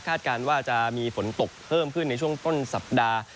การว่าจะมีฝนตกเพิ่มขึ้นในช่วงต้นสัปดาห์